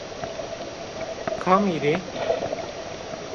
Kamî rê?